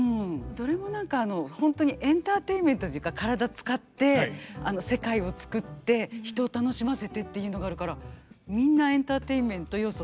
どれも何かホントにエンターテインメントというか体使ってあの世界を作って人を楽しませてっていうのがあるからみんなエンターテインメント要素